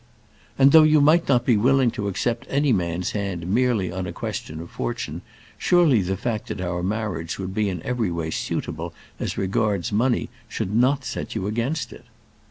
"And though you might not be willing to accept any man's hand merely on a question of fortune, surely the fact that our marriage would be in every way suitable as regards money should not set you against it.